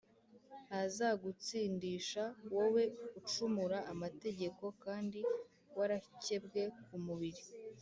ntazagutsindisha wowe ucumura amategeko kandi warakebwe ku mubiri?